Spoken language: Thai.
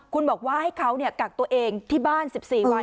คุณบอกว่าให้เขากักตัวเองที่บ้าน๑๔วัน